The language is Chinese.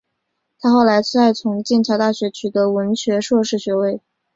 她后来再从剑桥大学取得文学硕士学位。